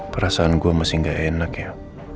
perasaan gue masih gak enak ya